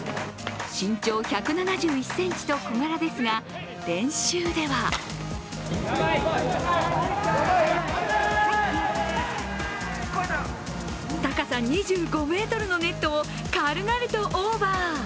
身長１７１ｃｍと小柄ですが、練習では高さ２５ｍのネットを軽々とオーバー。